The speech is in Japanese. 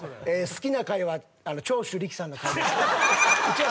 好きな回は長州力さんの回。